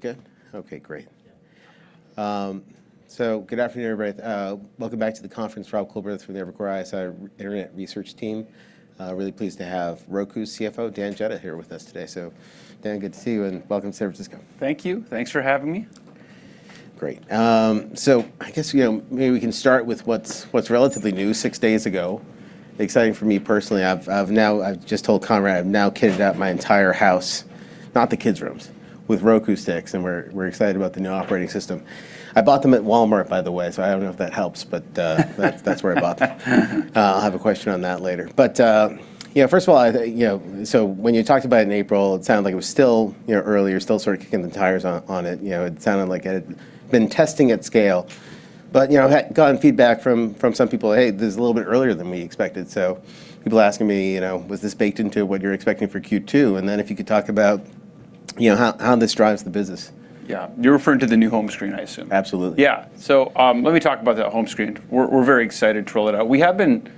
We're good? Okay, great. Yeah. Good afternoon, everybody. Welcome back to the conference. Mark Mahaney with the Evercore ISI Internet Research team. Really pleased to have Roku CFO Dan Jedda here with us today. Dan, good to see you, and welcome to San Francisco. Thank you. Thanks for having me. Great. I guess maybe we can start with what's relatively new, six days ago. Exciting for me personally, I've just told Conrad, I've now kitted out my entire house, not the kids' rooms, with Roku Stick, and we're excited about the new operating system. I bought them at Walmart, by the way, I don't know if that helps, that's where I bought them. I'll have a question on that later. First of all, when you talked about it in April, it sounded like it was still early, you're still sort of kicking the tires on it. It sounded like it had been testing at scale, but had gotten feedback from some people, "Hey, this is a little bit earlier than we expected." People are asking me, was this baked into what you're expecting for Q2? Then if you could talk about how this drives the business? Yeah. You're referring to the new home screen, I assume. Absolutely. Yeah. Let me talk about that home screen. We're very excited to roll it out. We have been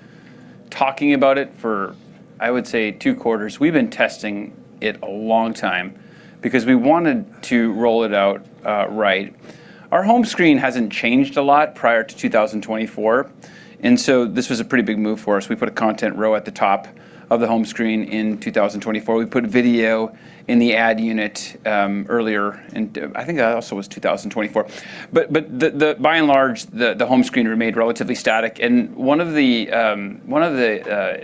talking about it for, I would say, two quarters. We've been testing it a long time because we wanted to roll it out right. Our home screen hasn't changed a lot prior to 2024, this was a pretty big move for us. We put a content row at the top of the home screen in 2024. We put video in the ad unit, earlier in, I think that also was 2024. By and large, the home screen remained relatively static. One of the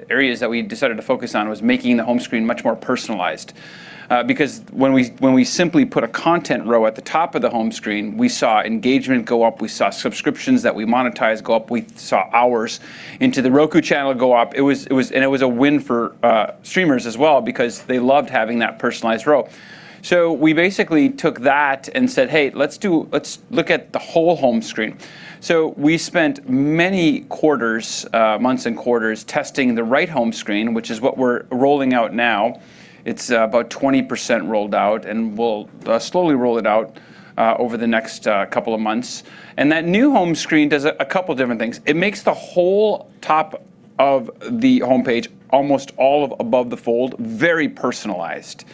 areas that we decided to focus on was making the home screen much more personalized. When we simply put a content row at the top of the home screen, we saw engagement go up, we saw subscriptions that we monetize go up, we saw hours into The Roku Channel go up. It was a win for streamers as well because they loved having that personalized row. We basically took that and said, "Hey, let's look at the whole home screen." We spent many months and quarters testing the right home screen, which is what we're rolling out now. It's about 20% rolled out, and we'll slowly roll it out over the next couple of months. That new home screen does a couple different things. It makes the whole top of the home page almost all of above the fold, very personalized.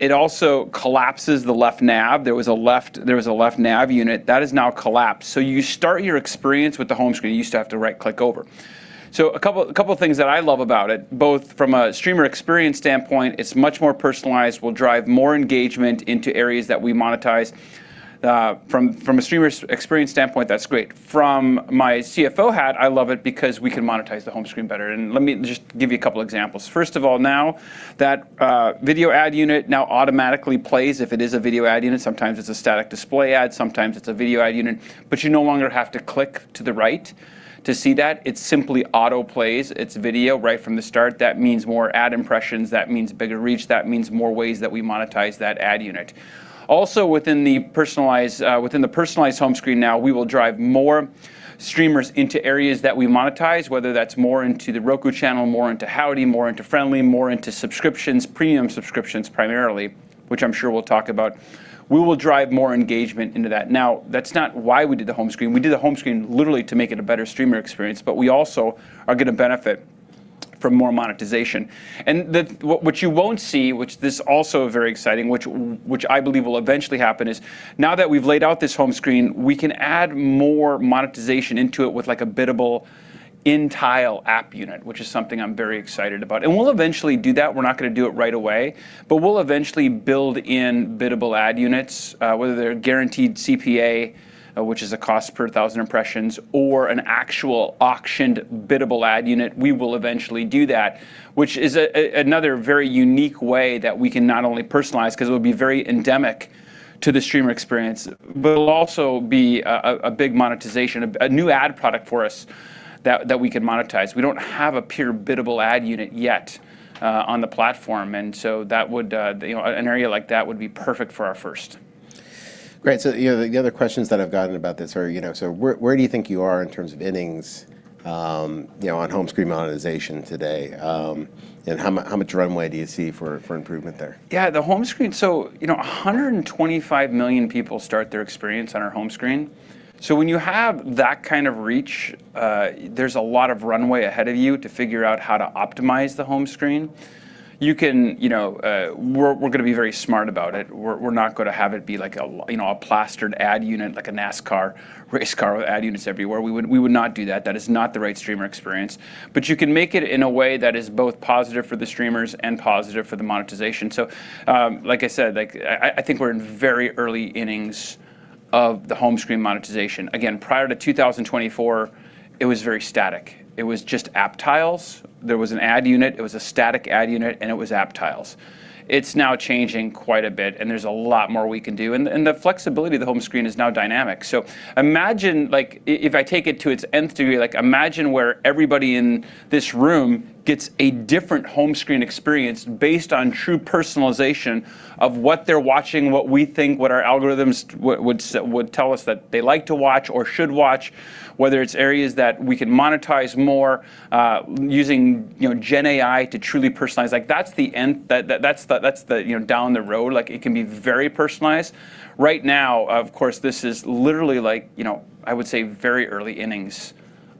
It also collapses the left nav. There was a left nav unit. That has now collapsed. You start your experience with the home screen. You used to have to right-click over. A couple of things that I love about it, both from a streamer experience standpoint, it's much more personalized, will drive more engagement into areas that we monetize. From a streamer's experience standpoint, that's great. From my CFO hat, I love it because we can monetize the home screen better. Let me just give you a couple examples. First of all, now that video ad unit now automatically plays if it is a video ad unit. Sometimes it's a static display ad, sometimes it's a video ad unit, but you no longer have to click to the right to see that. It simply autoplays its video right from the start. That means more ad impressions. That means bigger reach. That means more ways that we monetize that ad unit. Within the personalized home screen now, we will drive more streamers into areas that we monetize, whether that's more into The Roku Channel, more into Howdy, more into Frndly TV, more into subscriptions, premium subscriptions primarily, which I'm sure we'll talk about. We will drive more engagement into that. That's not why we did the home screen. We did the home screen literally to make it a better streamer experience, we also are going to benefit from more monetization. What you won't see, which this also very exciting, which I believe will eventually happen, is now that we've laid out this home screen, we can add more monetization into it with a biddable in-tile app unit, which is something I'm very excited about. We'll eventually do that. We're not going to do it right away, but we'll eventually build in biddable ad units, whether they're guaranteed CPM, which is a cost per thousand impressions, or an actual auctioned biddable ad unit. We will eventually do that, which is another very unique way that we can not only personalize, because it will be very endemic to the streamer experience, but it'll also be a big monetization, a new ad product for us that we could monetize. We don't have a pure biddable ad unit yet on the platform, and so an area like that would be perfect for our first. Great. The other questions that I've gotten about this are, so where do you think you are in terms of innings on home screen monetization today? How much runway do you see for improvement there? Yeah, the home screen. 125 million people start their experience on our home screen. When you have that kind of reach, there's a lot of runway ahead of you to figure out how to optimize the home screen. We're going to be very smart about it. We're not going to have it be a plastered ad unit, like a NASCAR race car with ad units everywhere. We would not do that. That is not the right streamer experience. You can make it in a way that is both positive for the streamers and positive for the monetization. Like I said, I think we're in very early innings of the home screen monetization. Again, prior to 2024, it was very static. It was just app tiles. There was an ad unit. It was a static ad unit, and it was app tiles. It's now changing quite a bit, there's a lot more we can do. The flexibility of the home screen is now dynamic. Imagine if I take it to its nth degree, imagine where everybody in this room gets a different home screen experience based on true personalization of what they're watching, what we think, what our algorithms would tell us that they like to watch or should watch, whether it's areas that we can monetize more, using gen AI to truly personalize. That's the nth. That's down the road. It can be very personalized. Right now, of course, this is literally I would say very early innings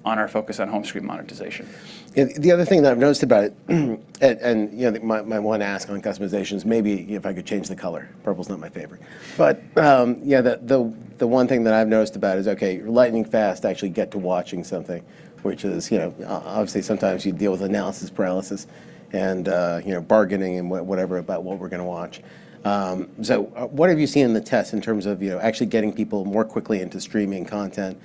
on our focus on home screen monetization. The other thing that I've noticed about it and my one ask on customization is maybe if I could change the color. Purple's not my favorite. The one thing that I've noticed about it is okay, lightning fast to actually get to watching something, which is obviously sometimes you deal with analysis paralysis and bargaining and whatever about what we're going to watch. What have you seen in the test in terms of actually getting people more quickly into streaming content?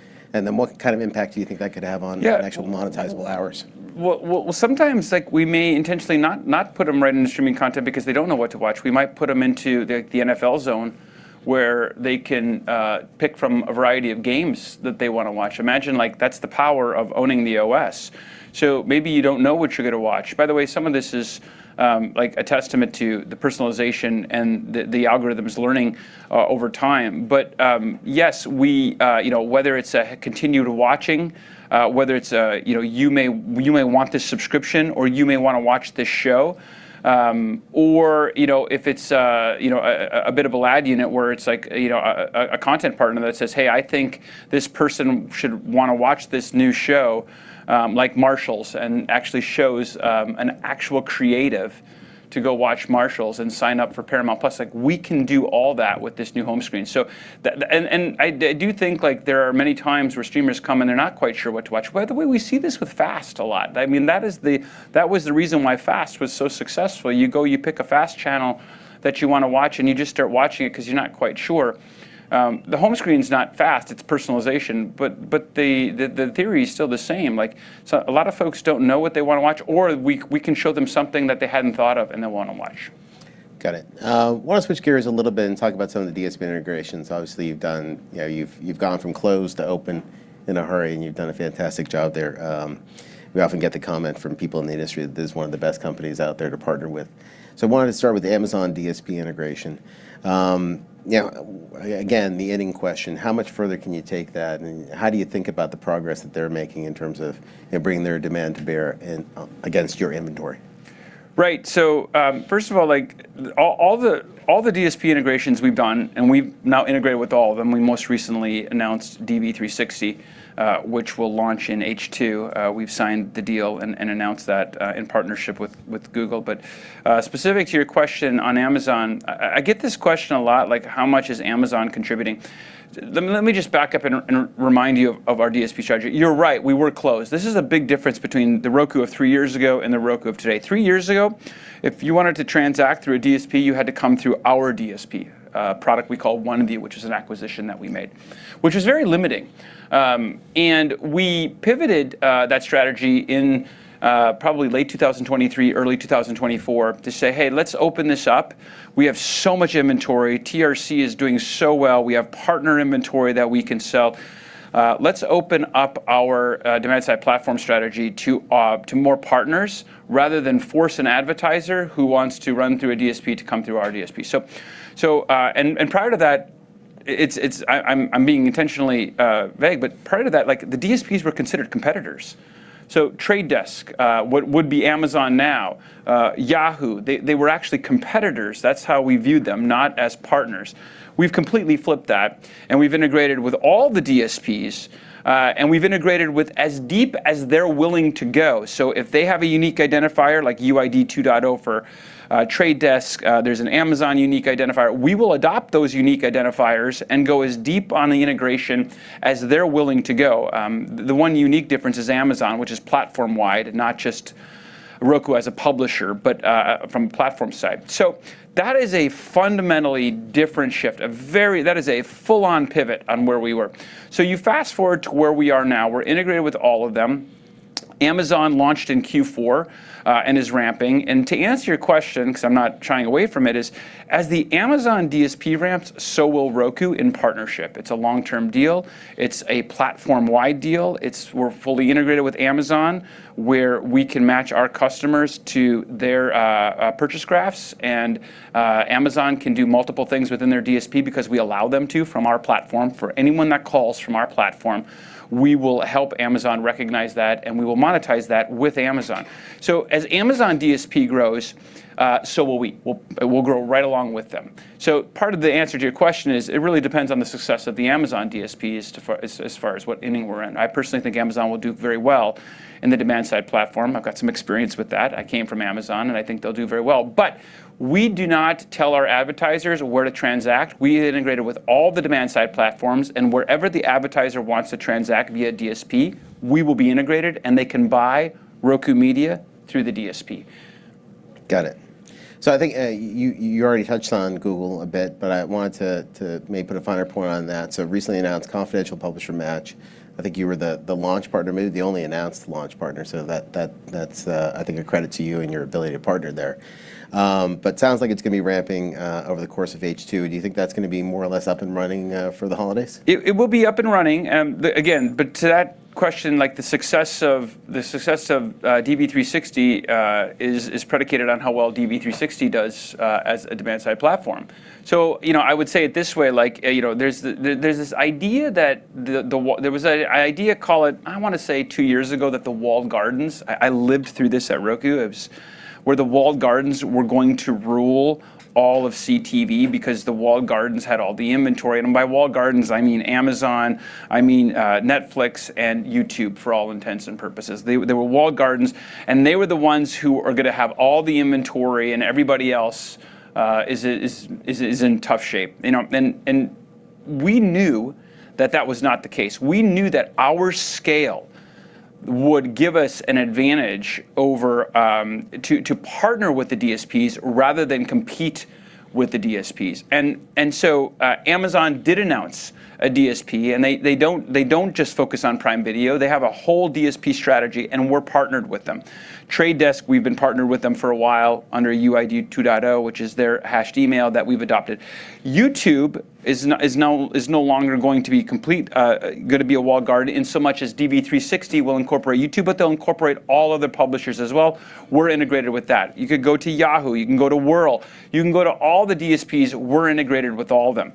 Yeah actual monetizable hours? Well, sometimes we may intentionally not put them right into streaming content because they don't know what to watch. We might put them into the NFL Zone, where they can pick from a variety of games that they want to watch. Imagine that's the power of owning the OS. Maybe you don't know what you're going to watch. By the way, some of this is a testament to the personalization and the algorithms learning over time. Yes, whether it's a continued watching, whether it's a you may want this subscription or you may want to watch this show, or if it's a bit of a ad unit where it's a content partner that says, "Hey, I think this person should want to watch this new show," like Marshals, and actually shows an actual creative to go watch Marshals and sign up for Paramount+. We can do all that with this new home screen. I do think there are many times where streamers come, and they're not quite sure what to watch. By the way, we see this with FAST a lot. That was the reason why FAST was so successful. You go, you pick a FAST channel that you want to watch, and you just start watching it because you're not quite sure. The home screen's not fast, it's personalization, the theory is still the same. A lot of folks don't know what they want to watch, or we can show them something that they hadn't thought of and they want to watch. Got it. I want to switch gears a little bit and talk about some of the DSP integrations. You've gone from closed to open in a hurry, and you've done a fantastic job there. We often get the comment from people in the industry that this is one of the best companies out there to partner with. I wanted to start with the Amazon DSP integration. The inning question, how much further can you take that, and how do you think about the progress that they're making in terms of bringing their demand to bear against your inventory? Right. First of all the DSP integrations we've done, and we've now integrated with all of them. We most recently announced DV360, which we'll launch in H2. We've signed the deal and announced that in partnership with Google. Specific to your question on Amazon, I get this question a lot, like how much is Amazon contributing? Let me just back up and remind you of our DSP strategy. You're right. We were closed. This is a big difference between the Roku of three years ago and the Roku of today. Three years ago, if you wanted to transact through a DSP, you had to come through our DSP, a product we call OneView, which is an acquisition that we made. Which was very limiting, and we pivoted that strategy in probably late 2023, early 2024, to say, "Hey, let's open this up. We have so much inventory. TRC is doing so well. We have partner inventory that we can sell. Let's open up our demand side platform strategy to more partners, rather than force an advertiser who wants to run through a DSP to come through our DSP. Prior to that, I'm being intentionally vague, but prior to that, the DSPs were considered competitors. Trade Desk, what would be Amazon now, Yahoo, they were actually competitors. That's how we viewed them, not as partners. We've completely flipped that, and we've integrated with all the DSPs, and we've integrated with as deep as they're willing to go. If they have a unique identifier like UID 2.0 for Trade Desk, there's an Amazon unique identifier, we will adopt those unique identifiers and go as deep on the integration as they're willing to go. The one unique difference is Amazon, which is platform wide, not just Roku as a publisher, but from platform side. That is a fundamentally different shift. That is a full-on pivot on where we were. You fast-forward to where we are now. We're integrated with all of them. Amazon launched in Q4 and is ramping. To answer your question, because I'm not shying away from it, is as the Amazon DSP ramps, so will Roku in partnership. It's a long-term deal. It's a platform-wide deal. We're fully integrated with Amazon, where we can match our customers to their purchase graphs, and Amazon can do multiple things within their DSP because we allow them to from our platform. For anyone that calls from our platform, we will help Amazon recognize that, and we will monetize that with Amazon. As Amazon DSP grows, so will we. We'll grow right along with them. Part of the answer to your question is it really depends on the success of the Amazon DSP as far as what inning we're in. I personally think Amazon will do very well in the demand side platform. I've got some experience with that. I came from Amazon, and I think they'll do very well. We do not tell our advertisers where to transact. We integrated with all the demand side platforms, and wherever the advertiser wants to transact via DSP, we will be integrated, and they can buy Roku media through the DSP. Got it. I think you already touched on Google a bit, but I wanted to maybe put a finer point on that. Recently announced Confidential Publisher Match. I think you were the launch partner, maybe the only announced launch partner, so that's, I think, a credit to you and your ability to partner there. Sounds like it's going to be ramping over the course of H2. Do you think that's going to be more or less up and running for the holidays? It will be up and running. To that question, the success of DV360 is predicated on how well DV360 does as a demand side platform. I would say it this way, there was an idea call it, I want to say two years ago, that the walled gardens, I lived through this at Roku, where the walled gardens were going to rule all of CTV because the walled gardens had all the inventory. By walled gardens, I mean Amazon, I mean Netflix, and YouTube, for all intents and purposes. They were walled gardens, and they were the ones who are going to have all the inventory, and everybody else is in tough shape. We knew that that was not the case. We knew that our scale would give us an advantage to partner with the DSPs rather than compete with the DSPs. Amazon did announce a DSP, and they don't just focus on Prime Video. They have a whole DSP strategy, and we're partnered with them. Trade Desk, we've been partnered with them for a while under UID 2.0, which is their hashed email that we've adopted. YouTube is no longer going to be a walled garden, in so much as DV360 will incorporate YouTube, but they'll incorporate all other publishers as well. We're integrated with that. You could go to Yahoo. You can go to Wurl. You can go to all the DSPs. We're integrated with all of them.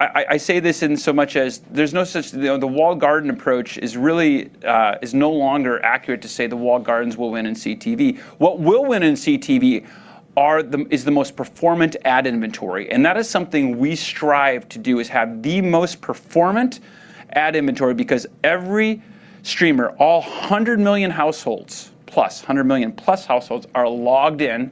I say this in so much as the walled garden approach is no longer accurate to say the walled gardens will win in CTV. What will win in CTV is the most performant ad inventory. That is something we strive to do, is have the most performant ad inventory because every streamer, all 100 million+ households are logged in.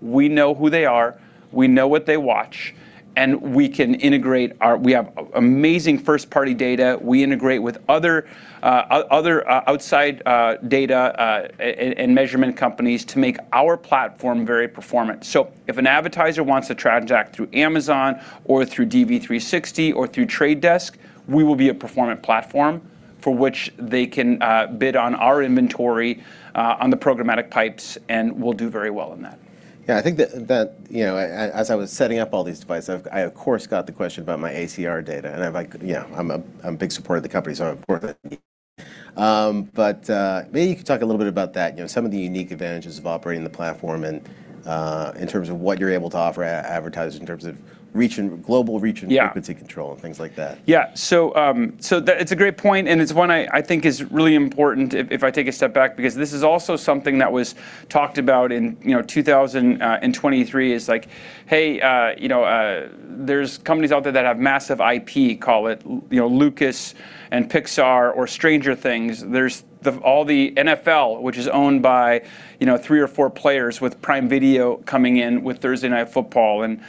We know who they are. We know what they watch, and we have amazing first-party data. We integrate with other outside data and measurement companies to make our platform very performant. If an advertiser wants to transact through Amazon or through DV360 or through The Trade Desk, we will be a performant platform for which they can bid on our inventory on the programmatic pipes, and we'll do very well on that. Yeah, I think that as I was setting up all these devices, I, of course, got the question about my ACR data. I'm a big supporter of the company, so of course. Maybe you could talk a little bit about that, some of the unique advantages of operating the platform in terms of what you're able to offer advertisers in terms of global reach and frequency control and things like that. It's a great point, and it's one I think is really important if I take a step back because this is also something that was talked about in 2023 is, hey, there's companies out there that have massive IP, call it Lucasfilm and Pixar or "Stranger Things." There's the NFL, which is owned by three or four players with Prime Video coming in with "Thursday Night Football," and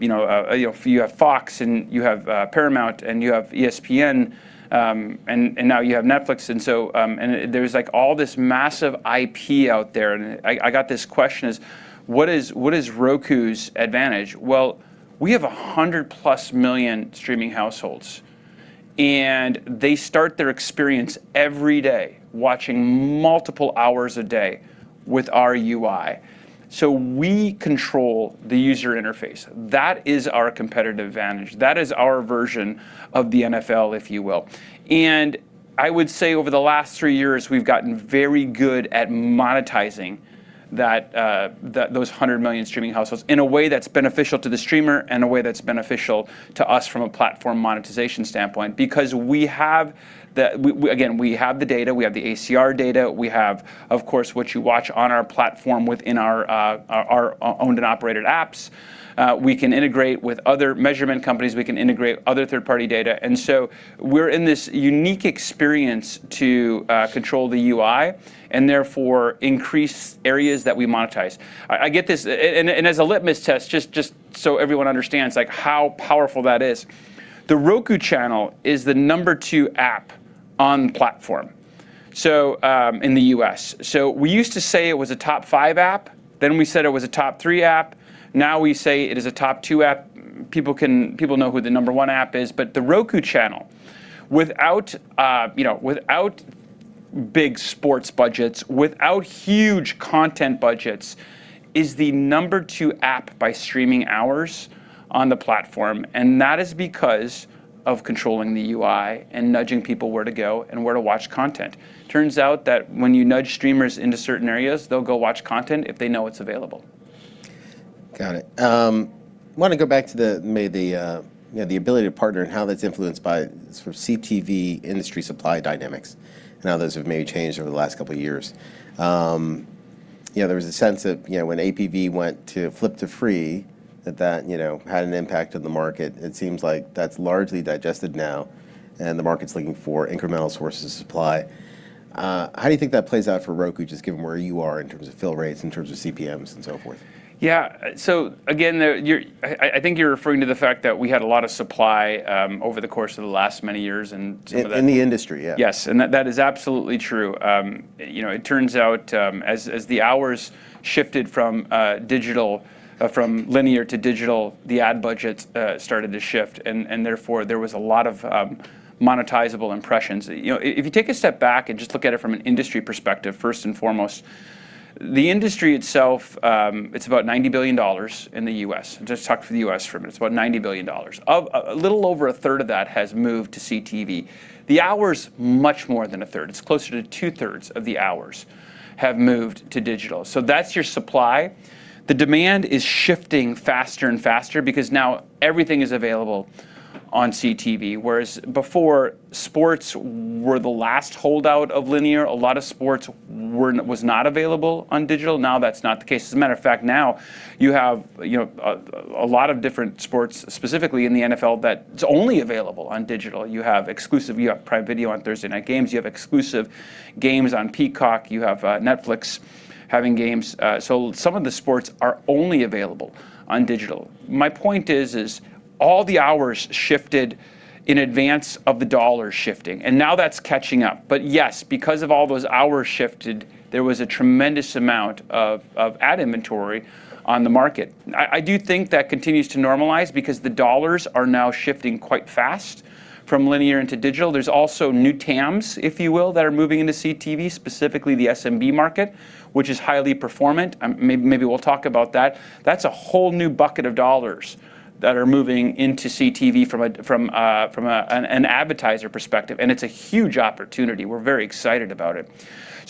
you have Fox and you have Paramount and you have ESPN, and now you have Netflix. There was all this massive IP out there, and I got this question is, what is Roku's advantage? Well, we have 100-plus million streaming households, and they start their experience every day watching multiple hours a day with our UI. We control the user interface. That is our competitive advantage. That is our version of the NFL, if you will. I would say over the last three years, we've gotten very good at monetizing those 100 million streaming households in a way that's beneficial to the streamer and a way that's beneficial to us from a platform monetization standpoint because, again, we have the data, we have the ACR data. We have, of course, what you watch on our platform within our owned and operated apps. We can integrate with other measurement companies. We can integrate other third-party data. We're in this unique experience to control the UI and therefore increase areas that we monetize. As a litmus test, just so everyone understands how powerful that is, The Roku Channel is the number two app on the platform in the U.S. We used to say it was a top five app, then we said it was a top three app. We say it is a top two app. People know who the number one app is. The Roku Channel, without big sports budgets, without huge content budgets, is the number two app by streaming hours on the platform, and that is because of controlling the UI and nudging people where to go and where to watch content. Turns out that when you nudge streamers into certain areas, they'll go watch content if they know it's available. Got it. I want to go back to maybe the ability to partner and how that's influenced by sort of CTV industry supply dynamics and how those have maybe changed over the last couple of years. There was a sense of when APV went to flip to free, that that had an impact on the market. It seems like that's largely digested now, the market's looking for incremental sources of supply. How do you think that plays out for Roku, just given where you are in terms of fill rates, in terms of CPMs, and so forth? Yeah. Again, I think you're referring to the fact that we had a lot of supply over the course of the last many years. In the industry, yeah. Yes, that is absolutely true. It turns out as the hours shifted from linear to digital, the ad budgets started to shift, and therefore, there was a lot of monetizable impressions. If you take a step back and just look at it from an industry perspective, first and foremost, the industry itself, it's about $90 billion in the U.S. Just talk for the U.S. for a minute. It's about $90 billion. A little over a third of that has moved to CTV. The hours, much more than a third. It's closer to two-thirds of the hours have moved to digital. That's your supply. The demand is shifting faster and faster because now everything is available on CTV. Whereas before, sports were the last holdout of linear. A lot of sports was not available on digital. Now that's not the case. As a matter of fact, now you have a lot of different sports, specifically in the NFL, that it's only available on digital. You have exclusive. You have Prime Video on Thursday night games. You have exclusive games on Peacock. You have Netflix having games. Some of the sports are only available on digital. My point is all the hours shifted in advance of the dollars shifting, and now that's catching up. Yes, because of all those hours shifted, there was a tremendous amount of ad inventory on the market. I do think that continues to normalize because the dollars are now shifting quite fast from linear into digital. There's also new TAMs, if you will, that are moving into CTV, specifically the SMB market, which is highly performant. Maybe we'll talk about that. That's a whole new bucket of dollars that are moving into CTV from an advertiser perspective, and it's a huge opportunity. We're very excited about it.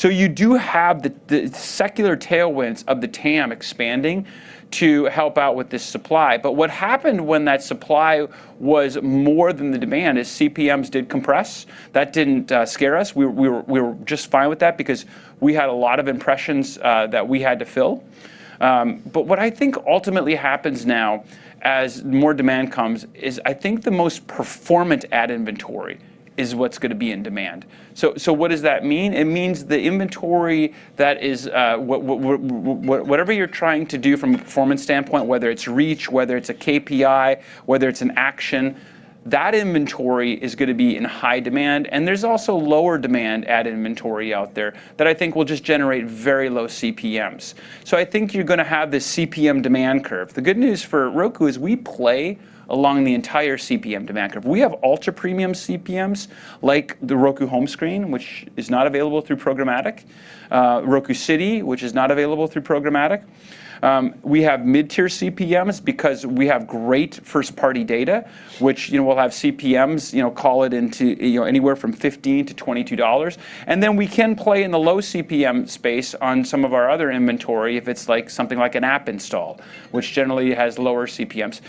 You do have the secular tailwinds of the TAM expanding to help out with this supply. What happened when that supply was more than the demand is CPMs did compress. That didn't scare us. We were just fine with that because we had a lot of impressions that we had to fill. What I think ultimately happens now as more demand comes is I think the most performant ad inventory is what's going to be in demand. What does that mean? It means the inventory that is whatever you're trying to do from a performance standpoint, whether it's reach, whether it's a KPI, whether it's an action, that inventory is going to be in high demand. There's also lower demand ad inventory out there that I think will just generate very low CPMs. I think you're going to have this CPM demand curve. The good news for Roku is we play along the entire CPM demand curve. We have ultra-premium CPMs, like the Roku home screen, which is not available through programmatic, Roku City, which is not available through programmatic. We have mid-tier CPMs because we have great first-party data, which will have CPMs, call it anywhere from $15-$22. Then we can play in the low CPM space on some of our other inventory if it's something like an app install, which generally has lower CPMs.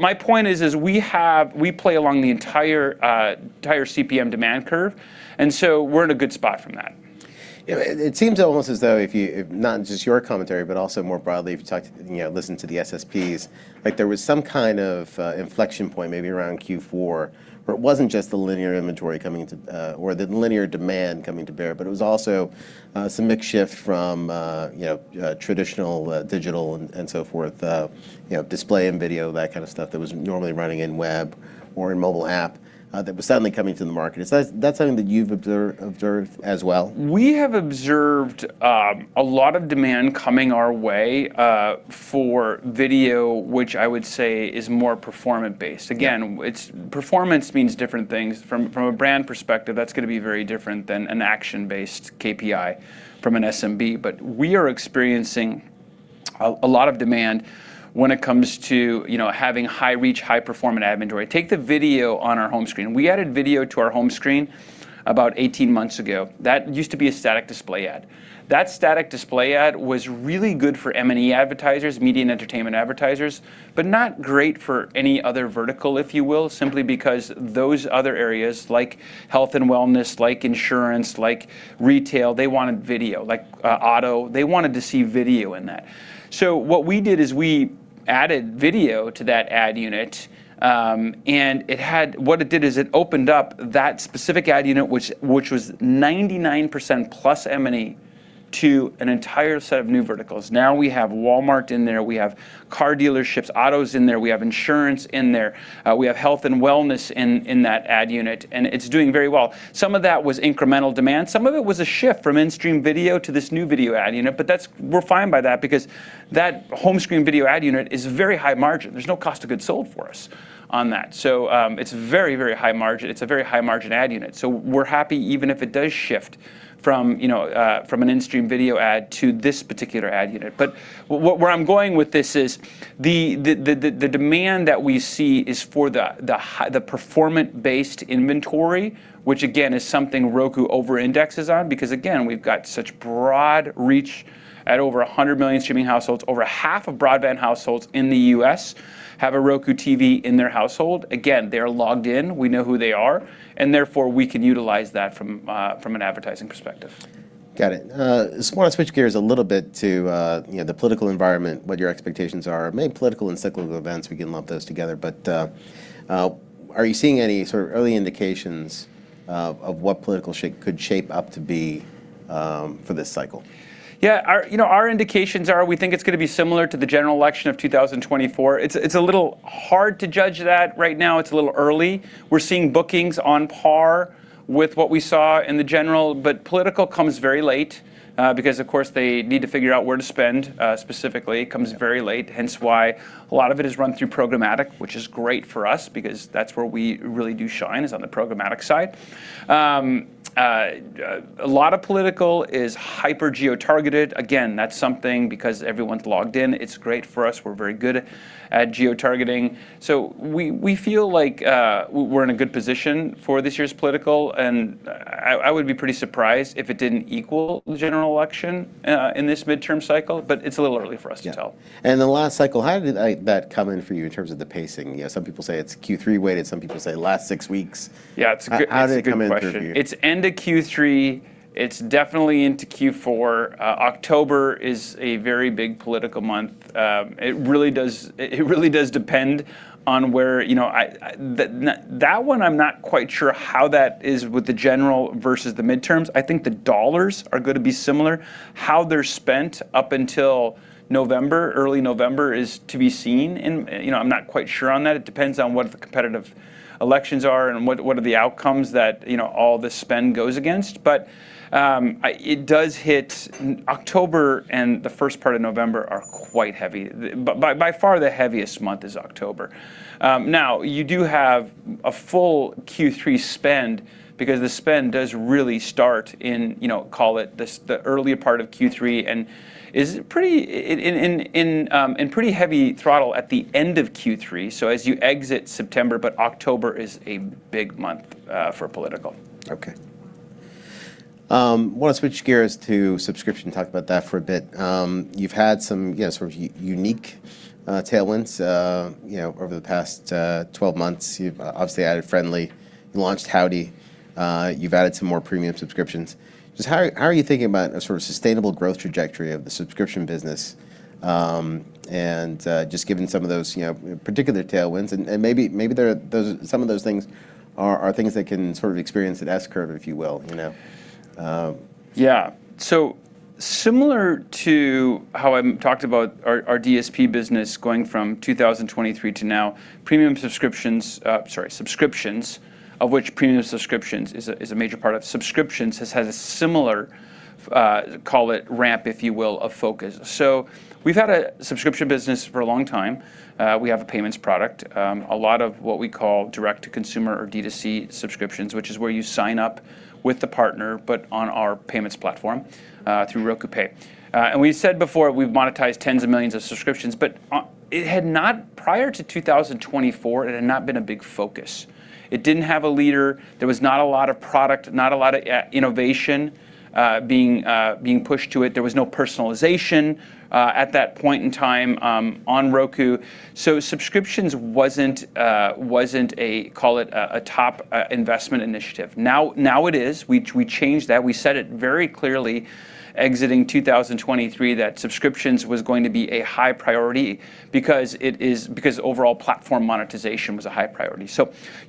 My point is we play along the entire CPM demand curve, and so we're in a good spot from that. It seems almost as though if you, not in just your commentary, but also more broadly if you listen to the SSPs, like there was some kind of inflection point maybe around Q4 where it wasn't just the linear inventory or the linear demand coming to bear, but it was also some mix shift from traditional digital and so forth, display and video, that kind of stuff that was normally running in web or in mobile app that was suddenly coming to the market. Is that something that you've observed as well? We have observed a lot of demand coming our way for video, which I would say is more performant based. Again, performance means different things. From a brand perspective, that's going to be very different than an action-based KPI from an SMB. We are experiencing a lot of demand when it comes to having high reach, high performant ad inventory. Take the video on our home screen. We added video to our home screen about 18 months ago. That used to be a static display ad. That static display ad was really good for M&E advertisers, media and entertainment advertisers, not great for any other vertical, if you will. Simply because those other areas like health and wellness, like insurance, like retail, they wanted video. Like auto, they wanted to see video in that. What we did is we added video to that ad unit, and what it did is it opened up that specific ad unit, which was 99% plus M&E to an entire set of new verticals. Now we have Walmart in there. We have car dealerships, autos in there. We have insurance in there. We have health and wellness in that ad unit, and it's doing very well. Some of that was incremental demand. Some of it was a shift from in-stream video to this new video ad unit. We're fine by that because that home screen video ad unit is very high margin. There's no cost of goods sold for us on that. It's very high margin. It's a very high margin ad unit. We're happy even if it does shift from an in-stream video ad to this particular ad unit. Where I'm going with this is the demand that we see is for the performant-based inventory, which again is something Roku over-indexes on because again, we've got such broad reach at over 100 million streaming households. Over half of broadband households in the U.S. have a Roku TV in their household. Again, they're logged in. We know who they are, and therefore we can utilize that from an advertising perspective. Got it. Just want to switch gears a little bit to the political environment, what your expectations are. Maybe political and cyclical events, we can lump those together. Are you seeing any sort of early indications of what political could shape up to be for this cycle. Yeah. Our indications are we think it's going to be similar to the general election of 2024. It's a little hard to judge that right now. It's a little early. We're seeing bookings on par with what we saw in the general, but political comes very late because, of course, they need to figure out where to spend, specifically. It comes very late, hence why a lot of it is run through programmatic, which is great for us because that's where we really do shine, is on the programmatic side. A lot of political is hyper geo-targeted. Again, that's something because everyone's logged in, it's great for us. We're very good at geo-targeting. We feel like we're in a good position for this year's political, and I would be pretty surprised if it didn't equal the general election in this midterm cycle, but it's a little early for us to tell. Yeah. The last cycle, how did that come in for you in terms of the pacing? Some people say it's Q3 weighted, some people say last six weeks. Yeah, it's a good question. How did it come in for you? It's end of Q3. It's definitely into Q4. October is a very big political month. It really does depend on where, I'm not quite sure how that is with the general versus the midterms. I think the dollars are going to be similar. How they're spent up until November, early November, is to be seen, and I'm not quite sure on that. It depends on what the competitive elections are and what are the outcomes that all the spend goes against. It does hit October and the first part of November are quite heavy. By far, the heaviest month is October. You do have a full Q3 spend because the spend does really start in, call it, the earlier part of Q3, and pretty heavy throttle at the end of Q3. As you exit September, but October is a big month for political. Okay. I want to switch gears to subscription and talk about that for a bit. You've had some sort of unique tailwinds over the past 12 months. You've obviously added Frndly. You launched Howdy. You've added some more premium subscriptions. Just how are you thinking about a sort of sustainable growth trajectory of the subscription business? Just given some of those particular tailwinds and maybe some of those things are things that can sort of experience an S-curve, if you will. Similar to how I talked about our DSP business going from 2023 to now, premium subscriptions, sorry, subscriptions, of which premium subscriptions is a major part of subscriptions, has had a similar, call it ramp, if you will, of focus. We've had a subscription business for a long time. We have a payments product, a lot of what we call direct-to-consumer or D2C subscriptions, which is where you sign up with the partner, but on our payments platform through Roku Pay. We said before, we've monetized tens of millions of subscriptions, but prior to 2024, it had not been a big focus. It didn't have a leader. There was not a lot of product, not a lot of innovation being pushed to it. There was no personalization at that point in time on Roku. Subscriptions wasn't a, call it a top investment initiative. Now it is. We changed that. We said it very clearly exiting 2023, that subscriptions was going to be a high priority because overall platform monetization was a high priority.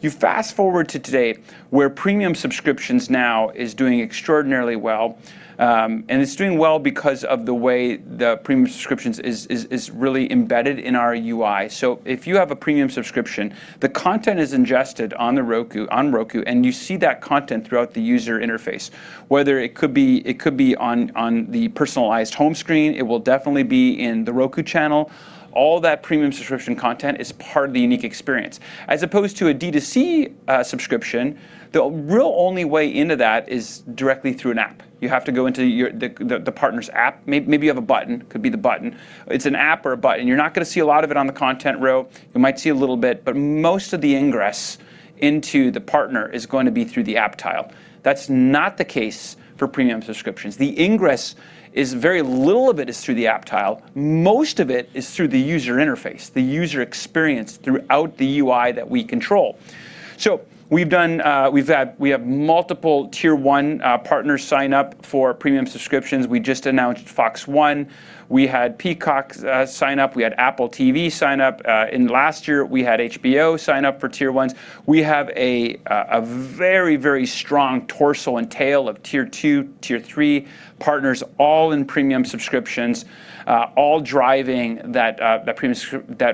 You fast-forward to today, where premium subscriptions now is doing extraordinarily well, and it's doing well because of the way the premium subscriptions is really embedded in our UI. If you have a premium subscription, the content is ingested on the Roku, and you see that content throughout the user interface, whether it could be on the personalized home screen. It will definitely be in The Roku Channel. All that premium subscription content is part of the unique experience. As opposed to a D2C subscription, the real only way into that is directly through an app. You have to go into the partner's app. Maybe you have a button. Could be the button. It's an app or a button. You're not going to see a lot of it on the content row. You might see a little bit, but most of the ingress into the partner is going to be through the app tile. That's not the case for premium subscriptions. The ingress is very little of it is through the app tile. Most of it is through the user interface, the user experience throughout the UI that we control. We have multiple tier 1 partners sign up for premium subscriptions. We just announced Fox One. We had Peacock sign up. We had Apple TV sign up. Last year, we had HBO sign up for tier 1s. We have a very strong torso and tail of tier 2, tier 3 partners, all in premium subscriptions, all driving that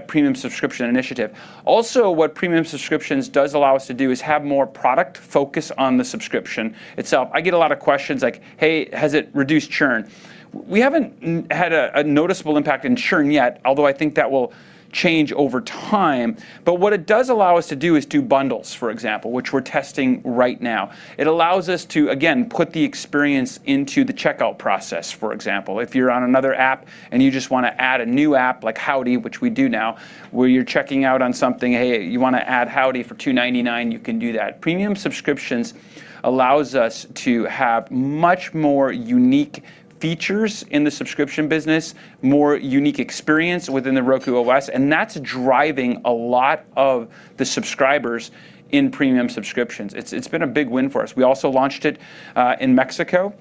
premium subscription initiative. What premium subscriptions does allow us to do is have more product focus on the subscription itself. I get a lot of questions like, "Hey, has it reduced churn?" We haven't had a noticeable impact in churn yet, although I think that will change over time. What it does allow us to do is do bundles, for example, which we're testing right now. It allows us to, again, put the experience into the checkout process, for example. If you're on another app and you just want to add a new app, like Howdy, which we do now, where you're checking out on something, "Hey, you want to add Howdy for $2.99?" You can do that. Premium subscriptions allows us to have much more unique features in the subscription business, more unique experience within the Roku OS, that's driving a lot of the subscribers in premium subscriptions. It's been a big win for us. We also launched it in Mexico.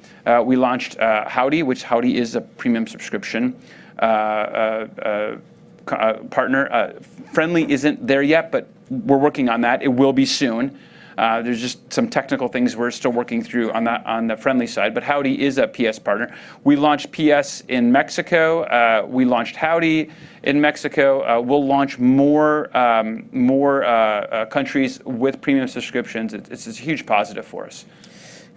We launched Howdy, which Howdy is a premium subscription partner. Frndly TV isn't there yet, but we're working on that. It will be soon. There's just some technical things we're still working through on the Frndly TV side. Howdy is a PS partner. We launched PS in Mexico. We launched Howdy in Mexico. We'll launch more countries with premium subscriptions. It's a huge positive for us.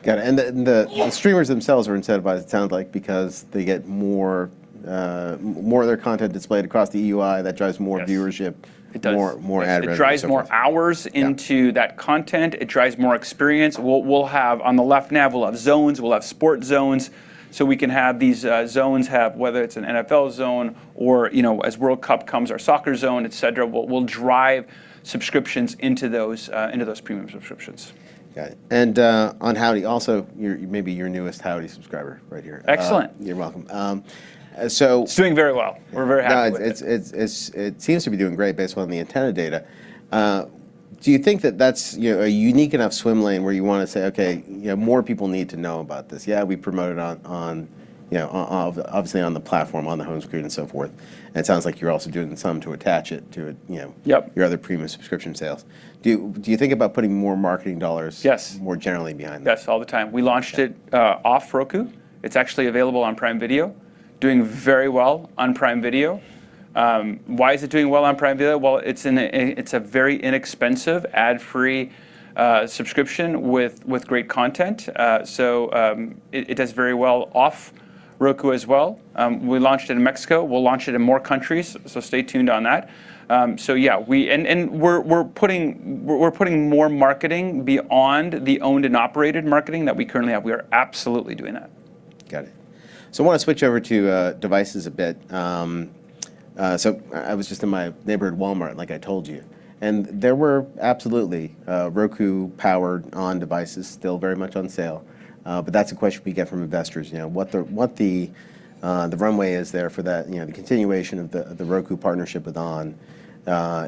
Got it. The streamers themselves are incentivized, it sounds like, because they get more of their content displayed across the EUI. That drives more viewership. Yes, it does. More ad revenue. It drives more hours into that content. It drives more experience. On the left nav, we'll have zones. We'll have sport zones. We can have these zones, whether it's an NFL zone or as World Cup comes, our soccer zone, et cetera, will drive subscriptions into those premium subscriptions. Got it. On Howdy also, maybe your newest Howdy subscriber right here. Excellent. You're welcome. It's doing very well. We're very happy with it. It seems to be doing great based on the antenna data. Do you think that that's a unique enough swim lane where you want to say, "Okay, more people need to know about this." Yeah, we promote it obviously on the platform, on the home screen, and so forth. It sounds like you're also doing some to attach it to- Yep your other premium subscription sales. Do you think about putting more marketing dollars. Yes more generally behind this? Yes, all the time. We launched it off Roku. It's actually available on Prime Video, doing very well on Prime Video. Why is it doing well on Prime Video? Well, it's a very inexpensive ad-free subscription with great content. It does very well off Roku as well. We launched it in Mexico. We'll launch it in more countries, stay tuned on that. Yeah. We're putting more marketing beyond the owned and operated marketing that we currently have. We are absolutely doing that. Got it. I want to switch over to devices a bit. I was just in my neighborhood Walmart, like I told you, and there were absolutely Roku-powered onn. devices still very much on sale. That's a question we get from investors, what the runway is there for that, the continuation of the Roku partnership with onn.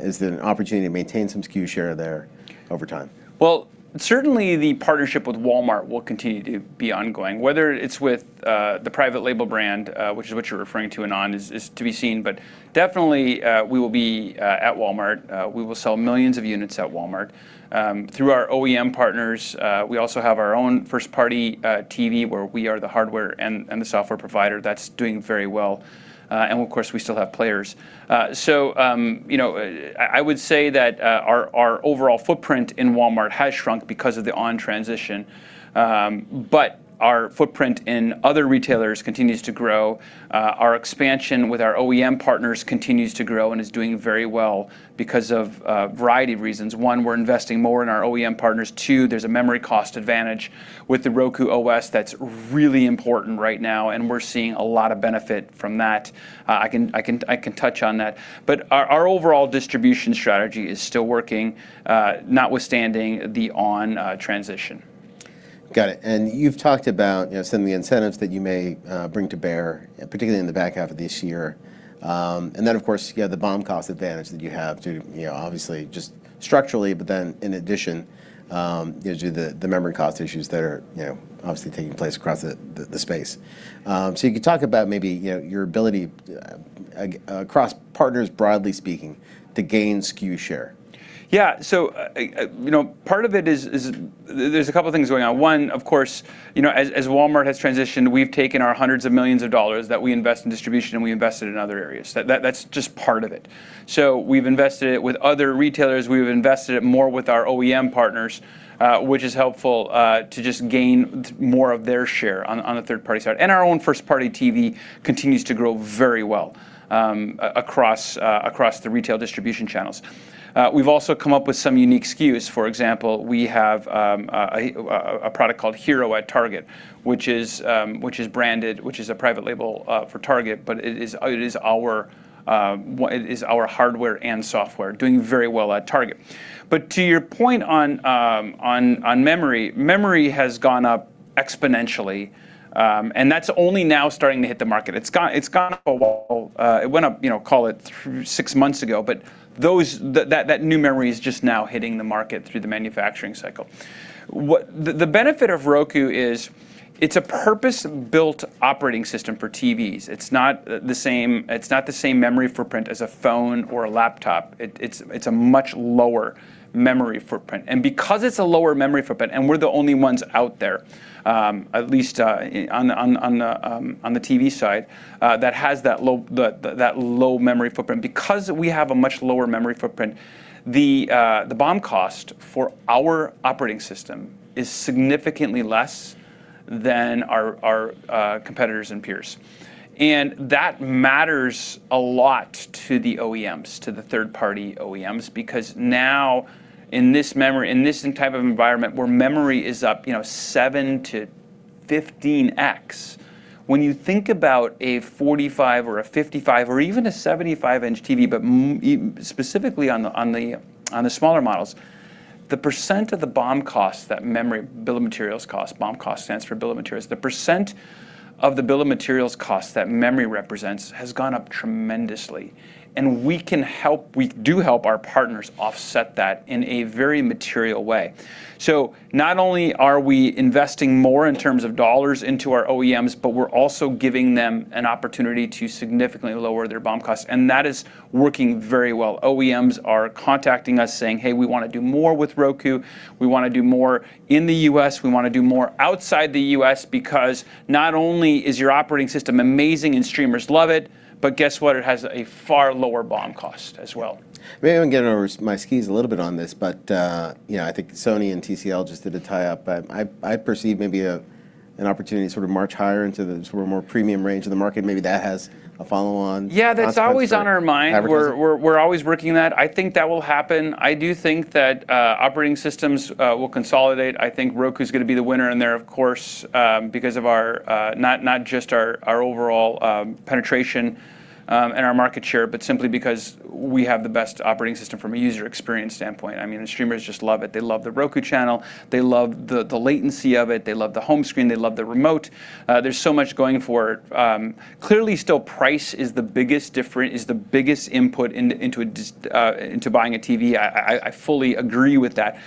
Is there an opportunity to maintain some SKU share there over time? Well, certainly the partnership with Walmart will continue to be ongoing, whether it's with the private label brand, which is what you're referring to, and onn. is to be seen. Definitely, we will be at Walmart. We will sell millions of units at Walmart. Through our OEM partners, we also have our own first-party TV where we are the hardware and the software provider. That's doing very well. Of course, we still have players. I would say that our overall footprint in Walmart has shrunk because of the onn. transition. Our footprint in other retailers continues to grow. Our expansion with our OEM partners continues to grow and is doing very well because of a variety of reasons. One, we're investing more in our OEM partners. Two, there's a memory cost advantage with the Roku OS that's really important right now, and we're seeing a lot of benefit from that. I can touch on that. Our overall distribution strategy is still working, notwithstanding the onn. transition. Got it. You've talked about some of the incentives that you may bring to bear, particularly in the back half of this year. Of course, you have the BOM cost advantage that you have to obviously just structurally, in addition, due to the memory cost issues that are obviously taking place across the space. You can talk about maybe your ability across partners, broadly speaking, to gain SKU share. Yeah. Part of it is there's a couple of things going on. One, of course, as Walmart has transitioned, we've taken our hundreds of millions of dollars that we invest in distribution. We invested in other areas. That's just part of it. We've invested it with other retailers. We've invested it more with our OEM partners, which is helpful to just gain more of their share on the third-party side. Our own first-party TV continues to grow very well across the retail distribution channels. We've also come up with some unique SKUs. For example, we have a product called Hiro at Target, which is branded, which is a private label for Target, but it is our hardware and software. Doing very well at Target. To your point on memory has gone up exponentially, and that's only now starting to hit the market. It's gone up a while. It went up, call it six months ago, but that new memory is just now hitting the market through the manufacturing cycle. The benefit of Roku is it's a purpose-built operating system for TVs. It's not the same memory footprint as a phone or a laptop. It's a much lower memory footprint. Because it's a lower memory footprint, and we're the only ones out there, at least on the TV side, that has that low memory footprint. Because we have a much lower memory footprint, the BoM cost for our operating system is significantly less than our competitors and peers. That matters a lot to the OEMs, to the third-party OEMs because now in this type of environment where memory is up 7x-15x, when you think about a 45 or a 55 or even a 75-inch TV, but specifically on the smaller models, the percent of the BOM cost, that memory, bill of materials cost, BOM cost stands for bill of materials, the percent of the bill of materials cost that memory represents has gone up tremendously. We do help our partners offset that in a very material way. Not only are we investing more in terms of dollars into our OEMs, but we're also giving them an opportunity to significantly lower their BOM costs, and that is working very well. OEMs are contacting us saying, "Hey, we want to do more with Roku. We want to do more in the U.S. We want to do more outside the U.S. because not only is your operating system amazing and streamers love it. Guess what? It has a far lower BOM cost as well. Maybe I'm getting over my skis a little bit on this, I think Sony and TCL just did a tie-up. I perceive maybe an opportunity to sort of march higher into the more premium range of the market. Maybe that has a follow-on consequence for advertising. Yeah, that's always on our mind. We're always working that. I think that will happen. I do think that operating systems will consolidate. I think Roku's going to be the winner in there, of course, because of not just our overall penetration and our market share, but simply because we have the best operating system from a user experience standpoint. The streamers just love it. They love The Roku Channel. They love the latency of it. They love the home screen. They love the remote. There's so much going for it. Clearly, still, price is the biggest input into buying a TV. I fully agree with that.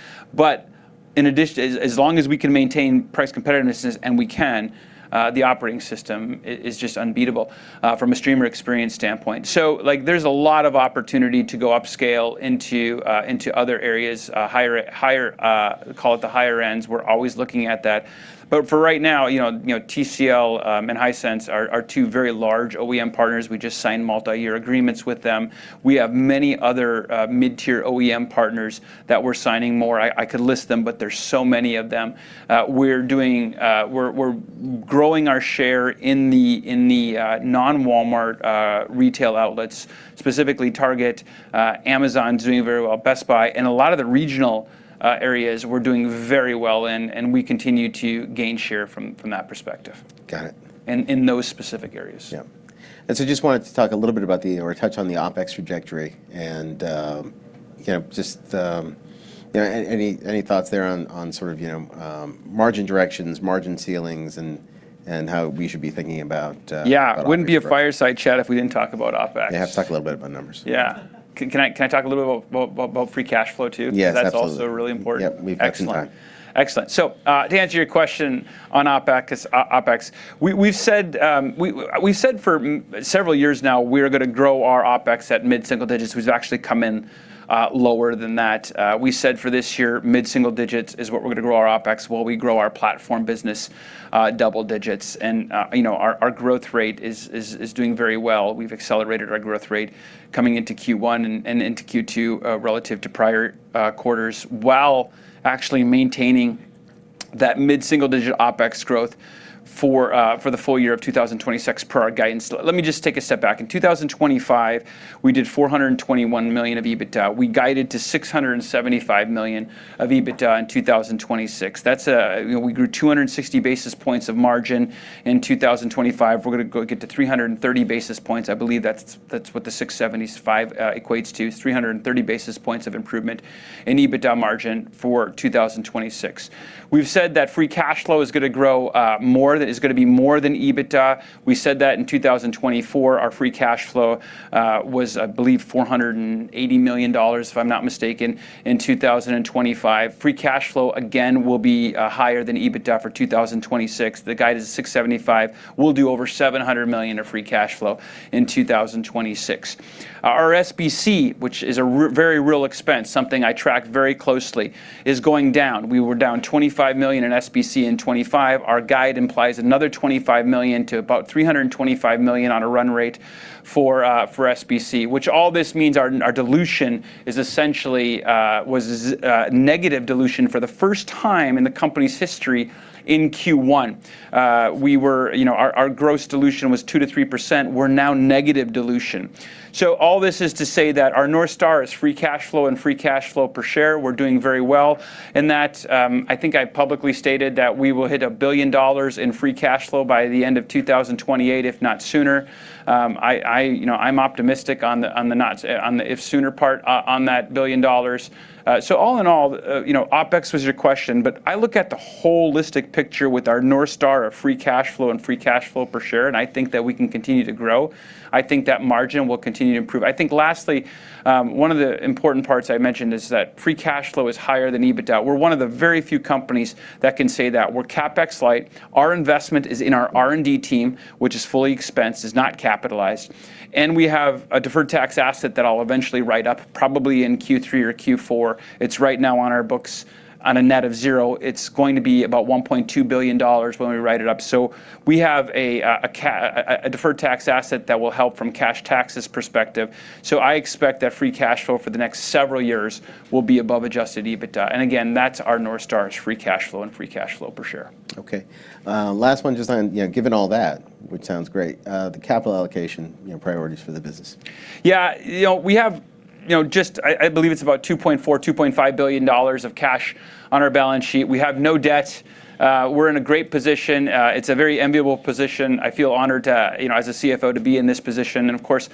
In addition, as long as we can maintain price competitiveness, and we can, the operating system is just unbeatable from a streamer experience standpoint. There's a lot of opportunity to go upscale into other areas, call it the higher ends. We're always looking at that. For right now, TCL and Hisense are two very large OEM partners. We just signed multi-year agreements with them. We have many other mid-tier OEM partners that we're signing more. I could list them, but there's so many of them. We're growing our share in the non-Walmart retail outlets, specifically Target. Amazon's doing very well, Best Buy, and a lot of the regional areas we're doing very well in, and we continue to gain share from that perspective. Got it. in those specific areas. Yeah. Just wanted to talk a little bit about the, or touch on the OpEx trajectory and just any thoughts there on sort of margin directions, margin ceilings, and how we should be thinking about. Yeah. Wouldn't be a fireside chat if we didn't talk about OpEx. Yeah, have to talk a little bit about numbers. Yeah. Can I talk a little bit about free cash flow, too? Yes, absolutely. That's also really important. Yep. We've got some time. Excellent. To answer your question on OpEx, we've said for several years now we're going to grow our OpEx at mid-single digits, which has actually come in lower than that. We said for this year, mid-single digits is what we're going to grow our OpEx while we grow our platform business double digits. Our growth rate is doing very well. We've accelerated our growth rate coming into Q1 and into Q2, relative to prior quarters, while actually maintaining that mid-single digit OpEx growth for the full year of 2026 per our guidance. Let me just take a step back. In 2025, we did $421 million of EBITDA. We guided to $675 million of EBITDA in 2026. We grew 260 basis points of margin in 2025. We're going to go get to 330 basis points. I believe that's what the $675 equates to, 330 basis points of improvement in EBITDA margin for 2026. We've said that free cash flow is going to grow more, that it's going to be more than EBITDA. We said that in 2024. Our free cash flow was, I believe, $480 million, if I'm not mistaken. In 2025, free cash flow, again, will be higher than EBITDA for 2026. The guide is $675. We'll do over $700 million of free cash flow in 2026. Our SBC, which is a very real expense, something I track very closely, is going down. We were down $25 million in SBC in 2025. Our guide implies another $25 million to about $325 million on a run rate for SBC, which all this means our dilution is essentially was negative dilution for the first time in the company's history in Q1. Our gross dilution was 2%-3%. We're now negative dilution. All this is to say that our North Star is free cash flow and free cash flow per share. We're doing very well in that. I think I publicly stated that we will hit $1 billion in free cash flow by the end of 2028, if not sooner. I'm optimistic on the if sooner part on that $1 billion. All in all, OpEx was your question, but I look at the holistic picture with our North Star of free cash flow and free cash flow per share, and I think that we can continue to grow. I think that margin will continue to improve. I think lastly, one of the important parts I mentioned is that free cash flow is higher than EBITDA. We're one of the very few companies that can say that. We're CapEx light. Our investment is in our R&D team, which is fully expensed, is not capitalized, and we have a deferred tax asset that I'll eventually write up probably in Q3 or Q4. It's right now on our books on a net of zero. It's going to be about $1.2 billion when we write it up. We have a deferred tax asset that will help from cash taxes perspective. I expect that free cash flow for the next several years will be above adjusted EBITDA. Again, that's our North Star, is free cash flow and free cash flow per share. Okay. Last one, just on, given all that, which sounds great, the capital allocation priorities for the business. Yeah. We have just, I believe it's about $2.4 billion, $2.5 billion of cash on our balance sheet. We have no debt. We're in a great position. It's a very enviable position. I feel honored as a CFO to be in this position. Of course,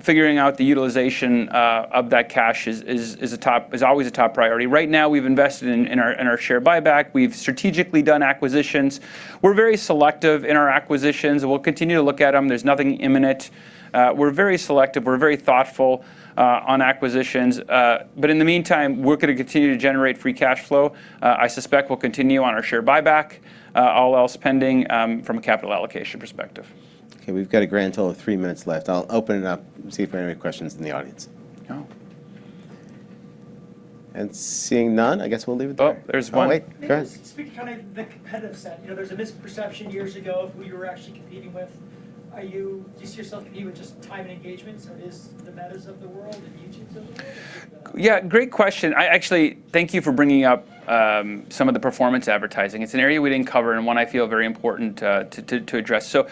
figuring out the utilization of that cash is always a top priority. Right now, we've invested in our share buyback. We've strategically done acquisitions. We're very selective in our acquisitions, and we'll continue to look at them. There's nothing imminent. We're very selective. We're very thoughtful on acquisitions. In the meantime, we're going to continue to generate free cash flow. I suspect we'll continue on our share buyback, all else pending, from a capital allocation perspective. We've got a grand total of three minutes left. I'll open it up and see if we have any questions in the audience. Oh. Seeing none, I guess we'll leave it there. Oh, there's one. Wait. Go ahead. Maybe you can speak to kind of the competitive set. There's a misperception years ago of who you were actually competing with. Do you see yourself competing with just time and engagement, so it is the Metas of the world and the YouTubes of the world? Yeah, great question. I actually thank you for bringing up some of the performance advertising. It's an area we didn't cover and one I feel very important to address. The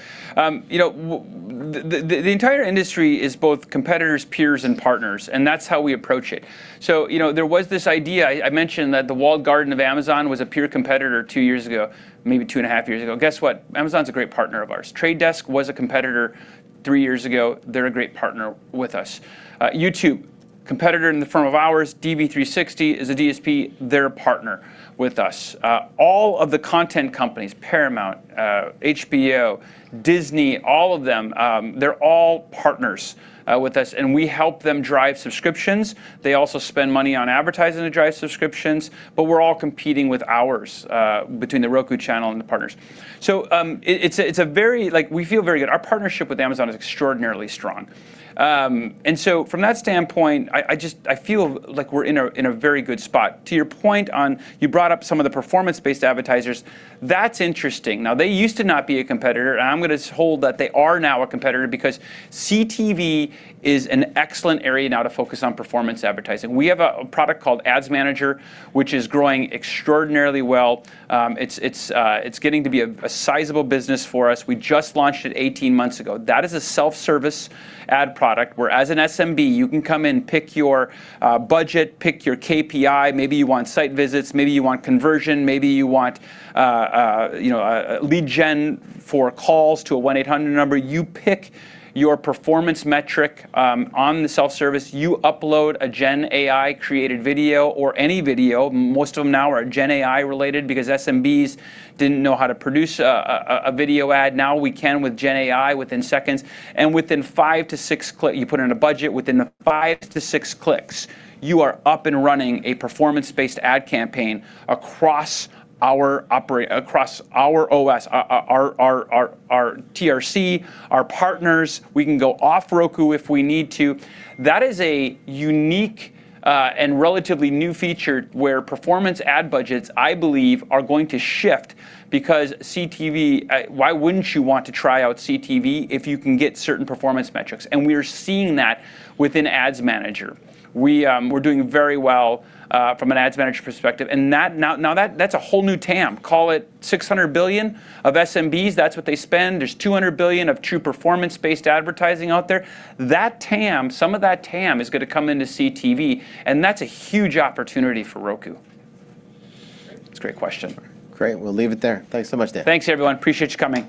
entire industry is both competitors, peers, and partners, and that's how we approach it. There was this idea, I mentioned that the walled garden of Amazon was a pure competitor two years ago, maybe two and a half years ago. Guess what? Amazon's a great partner of ours. Trade Desk was a competitor three years ago. They're a great partner with us. YouTube competitor in the form of ours, DV360, is a DSP. They're a partner with us. All of the content companies, Paramount, HBO, Disney, all of them, they're all partners with us, and we help them drive subscriptions. They also spend money on advertising to drive subscriptions, but we're all competing with ours between The Roku Channel and the partners. We feel very good. Our partnership with Amazon is extraordinarily strong. From that standpoint, I feel like we're in a very good spot. To your point, you brought up some of the performance-based advertisers. That's interesting. Now, they used to not be a competitor, and I'm going to hold that they are now a competitor because CTV is an excellent area now to focus on performance advertising. We have a product called Ads Manager, which is growing extraordinarily well. It's getting to be a sizable business for us. We just launched it 18 months ago. That is a self-service ad product where as an SMB, you can come in, pick your budget, pick your KPI. Maybe you want site visits, maybe you want conversion, maybe you want lead gen for calls to a 1-800 number. You pick your performance metric on the self-service. You upload a gen AI-created video or any video. Most of them now are gen AI related because SMBs didn't know how to produce a video ad. Now we can with gen AI within seconds. You put in a budget, within five to six clicks, you are up and running a performance-based ad campaign across our OS, our TRC, our partners. We can go off Roku if we need to. That is a unique and relatively new feature where performance ad budgets, I believe, are going to shift because CTV, why wouldn't you want to try out CTV if you can get certain performance metrics? We are seeing that within Ads Manager. We're doing very well from an Ads Manager perspective. That's a whole new TAM. Call it $600 billion of SMBs. That's what they spend. There's $200 billion of true performance-based advertising out there. Some of that TAM is going to come into CTV, and that's a huge opportunity for Roku. Great. It's a great question. Great. We'll leave it there. Thanks so much, Dan. Thanks, everyone. Appreciate you coming.